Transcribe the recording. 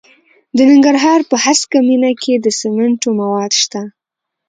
د ننګرهار په هسکه مینه کې د سمنټو مواد شته.